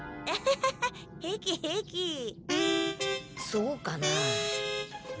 そうかな？